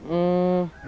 tidak ada operasi bos